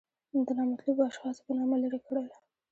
د نامطلوبو اشخاصو په نامه لرې کړل.